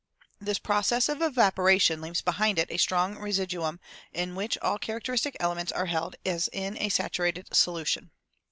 This process of evaporation leaves behind it a strong residuum in which all characteristic elements are held as in a saturated solution.